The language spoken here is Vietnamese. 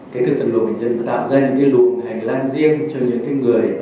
cách thức phân luận bệnh nhân tạo ra những cái luận hành lan riêng cho những cái người